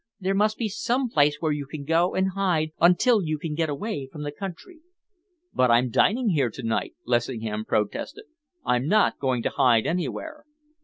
There must be some place where you can go and hide until you can get away from the country." "But I'm dining here to night," Lessingham protested. "I'm not going to hide anywhere."